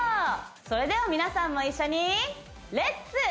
それでは皆さんも一緒にレッツ！